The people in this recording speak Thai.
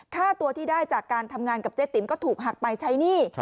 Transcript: ค่าตัวที่ได้จากการทำงานกับเจ๊ติ๋มก็ถูกหักไปใช้หนี้